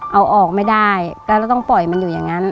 เอาออกไม่ได้ก็จะต้องปล่อยมันอยู่อย่างนั้น